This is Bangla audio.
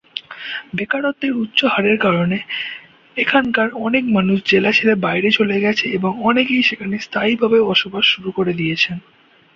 বেকারত্বের উচ্চ হারের কারণে এখানকার অনেক মানুষ জেলা ছেড়ে বাইরে চলে গেছে এবং অনেকেই সেখানে স্থায়ীভাবে বসবাস শুরু করে দিয়েছেন।